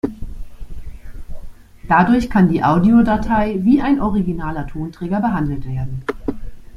Dadurch kann die Audiodatei wie ein originaler Tonträger behandelt werden.